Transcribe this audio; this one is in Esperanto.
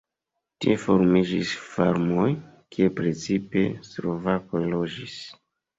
Tie formiĝis farmoj, kie precipe slovakoj loĝis.